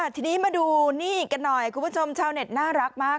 ทีนี้มาดูนี่กันหน่อยคุณผู้ชมชาวเน็ตน่ารักมาก